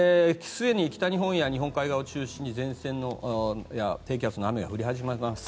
すでに北日本や日本海側を中心に前線の低気圧の雨が降り始まります。